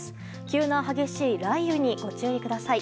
急な激しい雷雨にご注意ください。